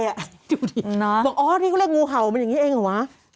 เขาดูดิบอกนี่เขาแหลกงูเห่ามันอย่างนี้ไง